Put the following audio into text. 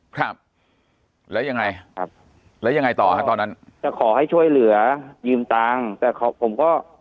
ครับแล้วยังไงครับแล้วยังไงต่อฮะตอนนั้นจะขอให้ช่วยเหลือยืมตังค์แต่ผมก็